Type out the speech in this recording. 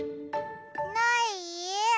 ない？